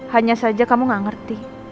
hanya saja kamu gak ngerti